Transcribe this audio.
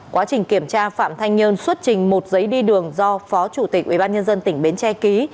quá trình kiểm tra phạm thanh nhơn xuất trình một giấy đi đường do phó chủ tịch ubnd tỉnh bến tre ký